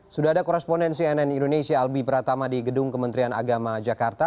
sudah ada korespondensi nn indonesia albi pratama di gedung kementerian agama jakarta